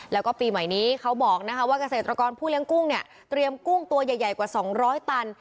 แล้วก็ปีใหม่นี้เขาบอกนะคะว่าเกษตรกรผู้เลี้ยงกุ้งเนี่ยเตรียมกุ้งตัวใหญ่กว่า๒๐๐ตัน